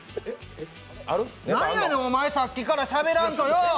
何やねん、お前、さっきからしゃべらんとよ。